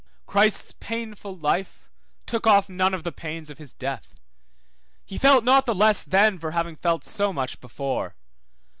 Christ's painful life took off none of the pains of his death, he felt not the less then for having felt so much before.